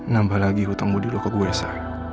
nambah lagi hutang budi lo ke gue sa